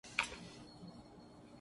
لیکن ایسی تو کوئی چیز نہیں ہوئی۔